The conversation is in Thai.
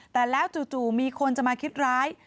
แต่แล้วจู่มีคนจะมาคิดร้าย